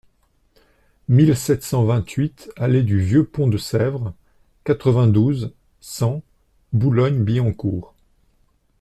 mille sept cent vingt-huit allée du Vieux Pont de Sèvres, quatre-vingt-douze, cent, Boulogne-Billancourt